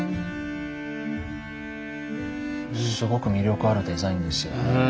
すごく魅力あるデザインですよね。